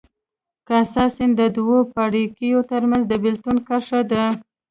کاسای سیند د دوو پاړکیو ترمنځ د بېلتون کرښه ده.